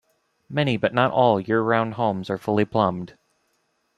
Many but not all year-round homes are fully plumbed.